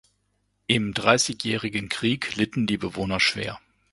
Im Dreißigjährigen Krieg litten die Bewohner schwer.